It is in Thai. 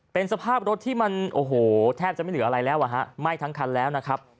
เป็นสภาพรถที่มันโอ้โหแทบจะไม่เหลืออะไรแล้วอ่ะฮะไหม้ทั้งคันแล้วนะครับ